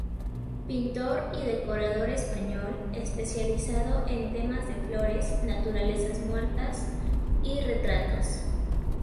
Pintor y decorador español, especializado en temas de flores, naturalezas muertas y retratos.